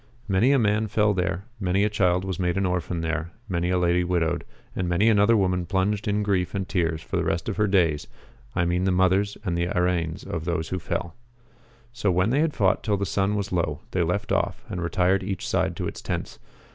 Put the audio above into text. Many a man fell there ; many a child was made an orphan there ; many a lady widowed ; and many another woman plunged in grief and tears for the rest of her days, I mean the mothers and the araines of those who fell.^ So when they had fought till the sun was low they left off, and retired each side to its tents.